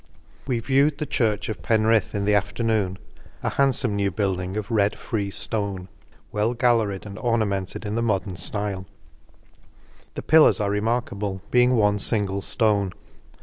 We viewed the Church of Penrith in the afternoon, a handfome new build ing of red free ftone, well galleried, and ornamented in the modern flile ;— the pillars are remarkable, being one fingle ftone.